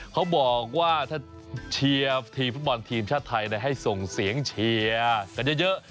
เขาบอกว่าถ้าเชียร์ทีมฟุตบอลทีมชาติไทยให้ส่งเสียงเชียร์กันเยอะ